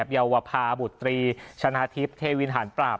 เยาวภาบุตรีชนะทิพย์เทวินหารปราบ